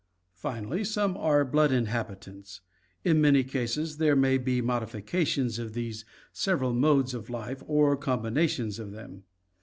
Finally, some are blood inhabitants. In many cases there may be modifications of these several modes of life or combinations of them.